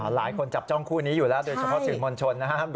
หลายคนจับจ้องคู่นี้อยู่แล้วโดยเฉพาะสื่อมวลชนนะครับ